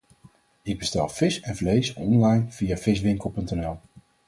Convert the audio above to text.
Ik bestel vis en vlees online via Viswinkel.nl.